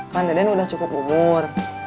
kan daden udah cukup umur